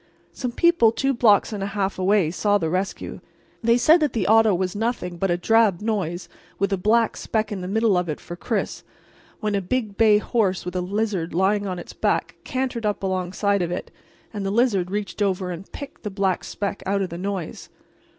Some people two blocks and a half away saw the rescue. They said that the auto was nothing but a drab noise with a black speck in the middle of it for Chris, when a big bay horse with a lizard lying on its back cantered up alongside of it, and the lizard reached over and picked the black speck out of the noise.